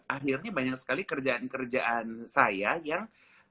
akhirnya banyak sekali kerjaan kerjaan saya yang